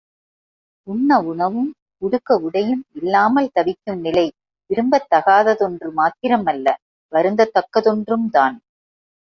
உண்ண உணவும் உடுக்க உடையும் இல்லாமல் தவிக்கும் நிலை விரும்பத்தகாததொன்று மாத்திரம் அல்ல, வருந்தத் தக்கதொன்றும்தான்.